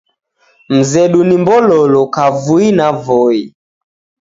Mzedu ni Mbololo, kavui na Voi.